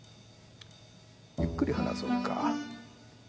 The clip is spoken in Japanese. ゆっくり話そうか。